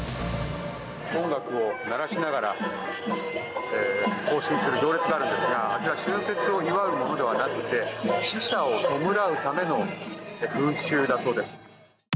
音楽を鳴らしながら行進する行列があるんですが春節を祝うものではなくて死者を弔うための群衆だそうです。